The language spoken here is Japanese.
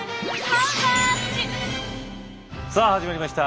さあ始まりました。